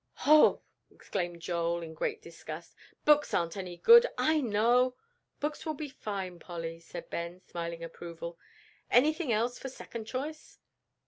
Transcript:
"Hoh!" exclaimed Joel, in great disgust, "books aren't any good. I know " "Books will be fine, Polly," said Ben, smiling approval. "Anything else for second choice?"